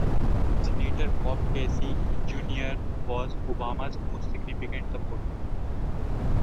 Senator Bob Casey, Junior was Obama's most significant supporter.